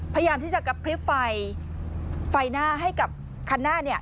พยายามที่จะกระพริบไฟไฟหน้าให้กับคันหน้าเนี่ย